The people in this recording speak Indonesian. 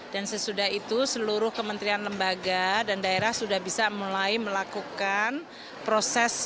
dan sesudah itu seluruh kementerian lembaga dan daerah sudah bisa mulai melakukan proses